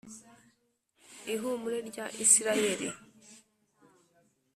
Ihumure rya isirayeli